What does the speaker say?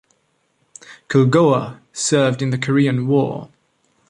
"Culgoa" served in the Korean War.